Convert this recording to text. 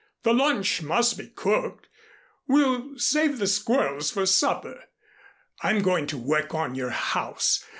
"The lunch must be cooked. We'll save the squirrels for supper. I'm going to work on your house.